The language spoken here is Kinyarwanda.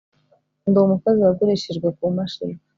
Ndi umukozi wagurishijwe kumashini